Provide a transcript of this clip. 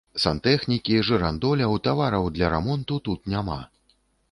Сантэхнікі, жырандоляў, тавараў для рамонту тут няма.